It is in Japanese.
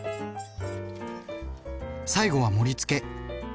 最後は盛り付け。